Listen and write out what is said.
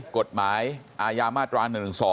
กฎหมายอาญามาตรา๑๑๒